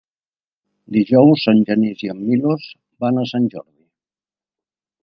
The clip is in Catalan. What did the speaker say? Dijous en Genís i en Milos van a Sant Jordi.